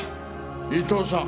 伊東さん？